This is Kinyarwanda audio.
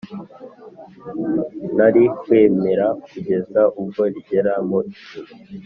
ntarihwemera kugeza ubwo rigera mu ijuru;